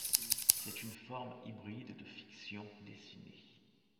C'est une forme hybride de fiction dessinée.